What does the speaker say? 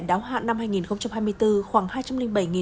đáo hạn năm hai nghìn hai mươi bốn khoảng hai trăm linh bảy tỷ đồng